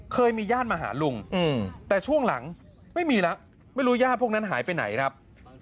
เคยมีญาติมาหาลุงแต่ช่วงหลังไม่มีแล้วไม่รู้ญาติพวกนั้นหายไปไหนครับ